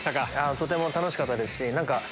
とても楽しかったですし何か。